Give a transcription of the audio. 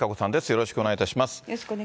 よろしくお願いします。